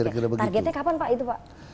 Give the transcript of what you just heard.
targetnya kapan pak itu pak